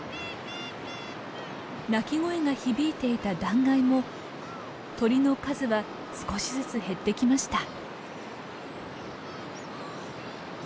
鳴き声が響いていた断崖も鳥の数は少しずつ減ってきました。